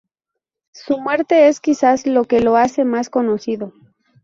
Su muerte es quizás lo que lo hace más conocido.